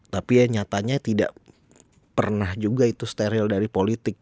tapi ya nyatanya tidak pernah juga itu steril dari politik